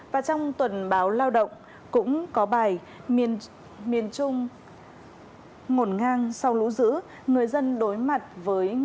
và trong tuần báo lao động cũng có bài miền trung ngổn ngang sau lũ dữ người dân đối mặt với nguy cơ dịch bệnh ô nhiễm môi trường